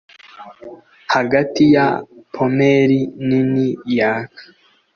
Hagati ya pommel nini yaka